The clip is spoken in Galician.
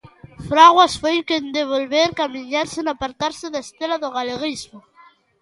Fraguas foi quen de volver camiñar sen apartarse da estela do galeguismo.